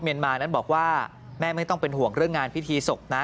มานั้นบอกว่าแม่ไม่ต้องเป็นห่วงเรื่องงานพิธีศพนะ